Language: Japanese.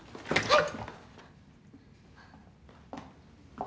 はい！